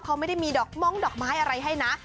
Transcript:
เขาไม่ได้มีดอกม้องดอกไม้อะไรให้นะ